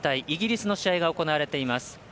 イギリスの試合が行われています。